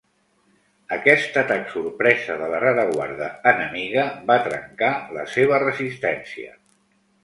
Aquest atac sorpresa de la rereguarda enemiga va trencar la seva resistència.